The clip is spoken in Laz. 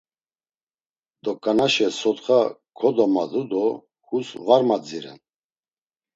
Doǩanaşe sotxa kodomadu do hus var madziren.